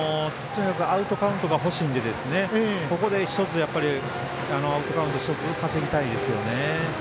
とにかくアウトカウントが欲しいのでここで１つ、アウトカウント稼ぎたいですよね。